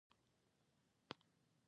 د غوښتنې په زیاتېدو سره بیه هم لوړېږي.